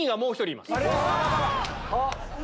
あっ！